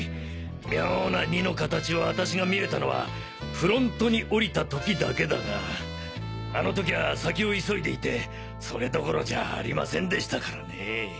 妙な「２」の形を私が見れたのはフロントに降りた時だけだがあのときは先を急いでいてそれどころじゃありませんでしたからね。